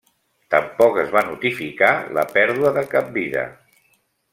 Tampoc es va notificar la pèrdua de cap vida.